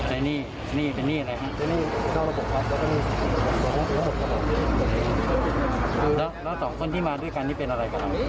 อันนี้นี่ลูกหลานครับผม